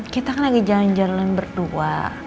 kita kan lagi jalan jalan berdua